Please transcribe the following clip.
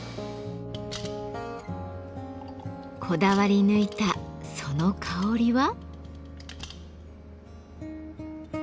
こだわり抜いたその香りは？